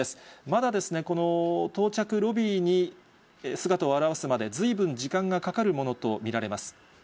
まだこの到着ロビーに姿を現すまで、ずいぶん時間がかかるものと見られます。